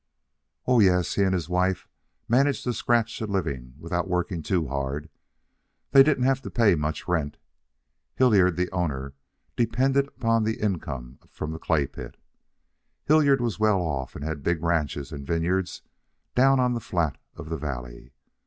"Oh, yes, he and his wife managed to scratch a living without working too hard. They didn't have to pay much rent. Hillard, the owner, depended on the income from the clay pit. Hillard was well off, and had big ranches and vineyards down on the flat of the valley.